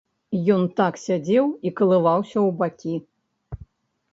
Ён так сядзеў і калываўся ў бакі.